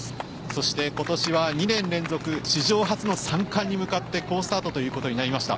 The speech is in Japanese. そして今年は２年連続史上初の三冠に向かって好スタートとなりました。